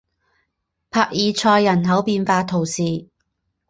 帕尔塞人口变化图示